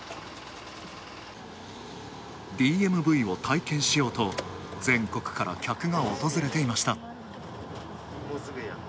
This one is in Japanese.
ＤＭＶを体験しようと全国から客が訪れていました。